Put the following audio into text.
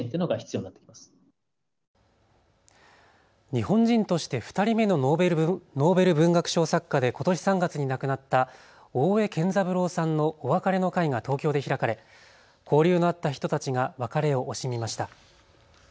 日本人として２人目のノーベル文学賞作家でことし３月に亡くなった大江健三郎さんのお別れの会が東京で開かれ交流のあった人たちが別れを惜しみました。